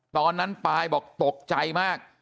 ตอนนั้นปายบอกตกใจมาก